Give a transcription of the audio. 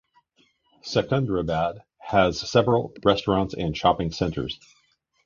Secunderabad has several restaurants and shopping centres.